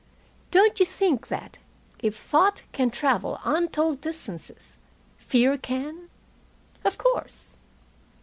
Don't you think that, if thought can travel untold distances, fear can? Of course."